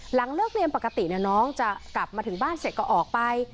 หลังเลิกเรียนปกติน้องจะกลับมาถึงบ้านเสร็จก็ออกไป